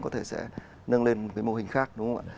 có thể sẽ nâng lên một cái mô hình khác